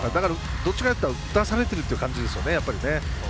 どちらかといったら打たされてるという感じですよね。